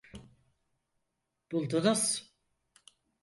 Buldunuz.